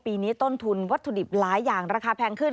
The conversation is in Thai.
ปีนี้ต้นทุนวัตถุดิบหลายอย่างราคาแพงขึ้น